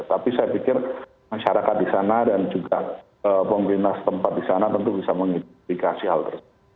tapi saya pikir masyarakat di sana dan juga pemerintah setempat di sana tentu bisa mengidentifikasi hal tersebut